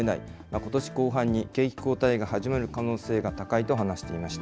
ことし後半に景気後退が始まる可能性が高いと話していました。